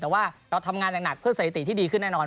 แต่ว่าเราทำงานหนักเพื่อเศรษฐีที่ดีขึ้นแน่นอน